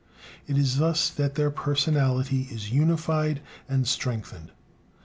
It is thus that their personality is unified and strengthened.